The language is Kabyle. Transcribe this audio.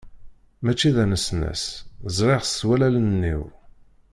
Mačči d anesnas, ẓriɣ-t s wallalen-iw.